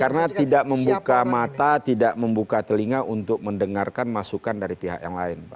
karena tidak membuka mata tidak membuka telinga untuk mendengarkan masukan dari pihak yang lain